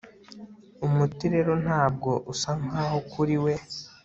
Umuti rero ntabwo usa nkaho kuri we